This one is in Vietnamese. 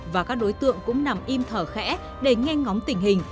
và các đối tượng cũng nằm im thở khẽ để nghe ngóng tình hình